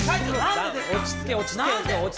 落ち着け落ち着け。